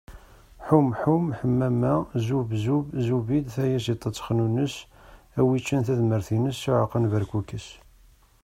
Ḥum ḥum, Ḥemmama. Zub zub, Zubid. Tayaziḍt ad texnunes, a wi ččan tadmert-ines, s uɛeqqa n berkukes.